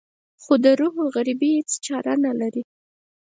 خو د روح غريبي هېڅ چاره نه لري.